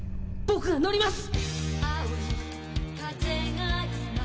僕が乗ります！